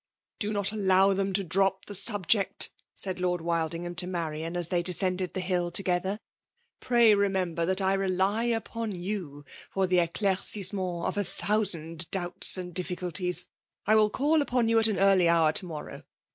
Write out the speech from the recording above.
Do not allow them to drop the subject,*" said Lord Wildingham to Marian, as they descended the hill together. ^' Pray remember that I rely upon you for the Selaircissement of a thousand doubts and difficulties. I will call upon you at an early hour to morrow.